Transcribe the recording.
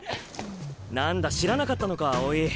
何だ知らなかったのか青井。